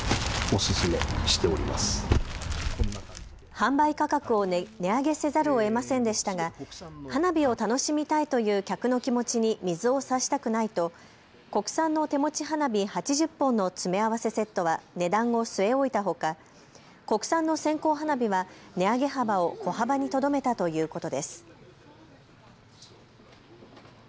販売価格を値上げせざるをえませんでしたが花火を楽しみたいという客の気持ちに水をさしたくないと国産の手持ち花火８０本の詰め合わせセットは値段を据え置いたほか国産の線香花火は値上げ幅を小幅にとどめたということです。